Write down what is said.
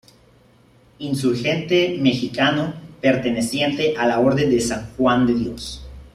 Insurgente mexicano perteneciente a la orden de San Juan de Dios.